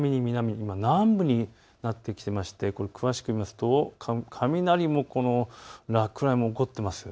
南部になってきていまして詳しく見ますと落雷も起こっています。